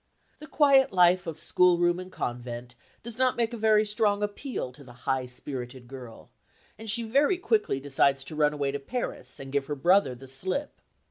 The quiet life of schoolroom and convent does not make a very strong appeal to the high spirited girl, and she very quickly decides to run away to Paris, and give her brother the slip.